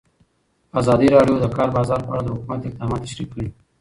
ازادي راډیو د د کار بازار په اړه د حکومت اقدامات تشریح کړي.